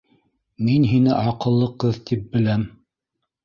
- Мин һине аҡыллы ҡыҙ тип беләм.